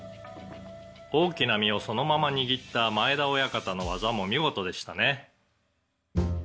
「大きな身をそのまま握った前田親方の技も見事でしたね」